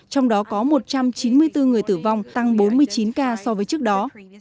trong đó có một trăm chín mươi bốn người tử vong tăng bốn mươi chín ca so với trước đó